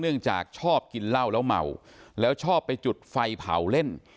จากชอบกินเหล้าแล้วเมาแล้วชอบไปจุดไฟเผาเล่น